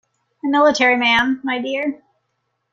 A military man, my dear.